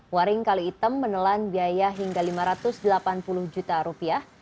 waring kali item menelan biaya hingga lima ratus delapan puluh juta rupiah